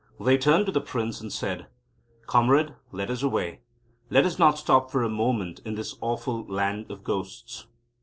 They turned to the Prince, and said: "Comrade, let us away. Let us not stop for a moment in this awful land of ghosts."